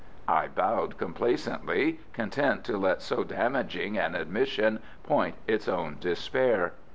I bowed complaisantly, content to let so damaging an admission point its own despair.